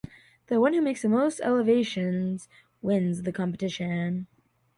The one who makes most elevations wins the competition.